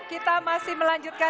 kita masih melanjutkan